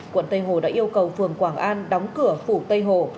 quận tây hồ đã yêu cầu phường quảng an đóng cửa phủ tây hồ